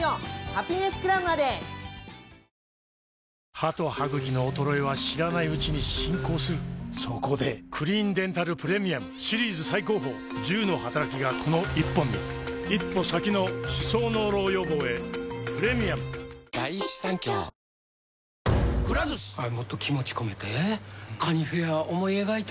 歯と歯ぐきの衰えは知らないうちに進行するそこで「クリーンデンタルプレミアム」シリーズ最高峰１０のはたらきがこの１本に一歩先の歯槽膿漏予防へプレミアムおや？もしかしてうなぎ！となるとうれしくなっちゃいますか！